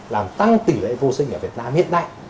làm tăng tỷ lệ vô sinh ở việt nam hiện nay